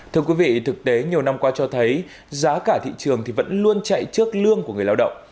thưa quý vị thực tế nhiều năm qua cho thấy giá cả thị trường thì vẫn luôn chạy trước lương của người lao động